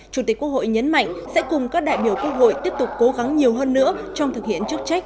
chủ tịch quốc hội nhấn mạnh sẽ cùng các đại biểu quốc hội tiếp tục cố gắng nhiều hơn nữa trong thực hiện chức trách